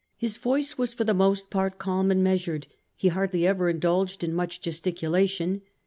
His voice was for the most part calm and measured ; he hardly ever indulged in much gesticulation.